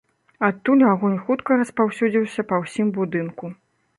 Адтуль агонь хутка распаўсюдзіўся па ўсім будынку.